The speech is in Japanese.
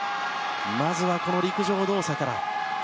まずはこの陸上動作から。